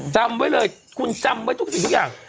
จำไว้เลยคุณจำไว้ทุกสิ่งทุกอย่าง